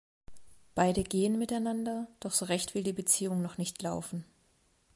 Beide gehen miteinander, doch so recht will die Beziehung noch nicht laufen.